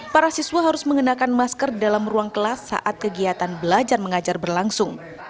para siswa harus mengenakan masker dalam ruang kelas saat kegiatan belajar mengajar berlangsung